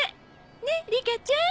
ねえリカちゃん。